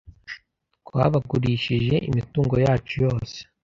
Twabagurishije imitungo yacu yose